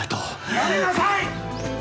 やめなさい！